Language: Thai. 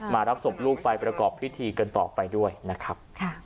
รับศพลูกไปประกอบพิธีกันต่อไปด้วยนะครับ